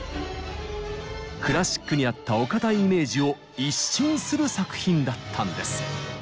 クラシックにあったお堅いイメージを一新する作品だったんです。